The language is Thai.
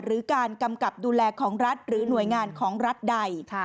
หรือการกำกับดูแลของรัฐหรือหน่วยงานของรัฐใด